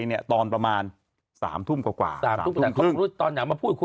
เนี่ยตอนประมาณสามทุ่มกว่าสามทุ่มครึ่งตอนอยากมาพูดคุย